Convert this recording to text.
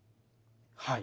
はい。